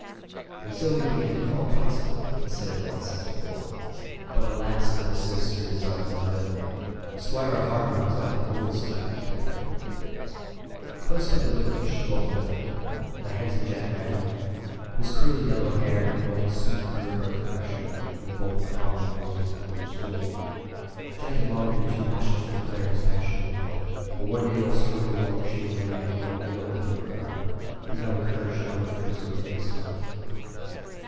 And so he began to call twice a week instead of once as before. But alas for the sinister designs of a villain—'Squire Hardman was not the only suitor for the fair one. Close by the village dwelt another the handsome Jack Manly, whose curly yellow hair had won the sweet Ermengarde's affection when both were toddling youngsters at the village school. Jack had long been too bashful to declare his passion, but one day while strolling along a shady lane by the old mill with Ermengarde, he had found courage to utter that which was within his heart.